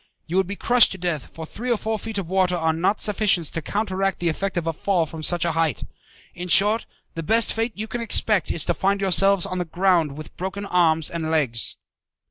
You would be crushed to death, for three or four feet of water are not sufficient to counteract the effect of a fall from such a height. In short, the best fate you can expect is to find yourselves on the ground with broken arms and legs."